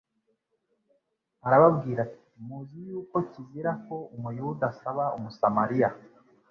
arababwira ati muzi yuko kizira ko umuyuda asaba umusamaliya